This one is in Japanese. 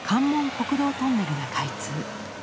国道トンネルが開通。